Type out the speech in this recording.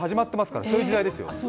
もうそういう時代ですよ。